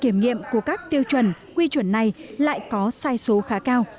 kết quả kiểm nghiệm của các tiêu chuẩn quy chuẩn này lại có sai số khá cao